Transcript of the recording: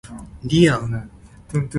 輪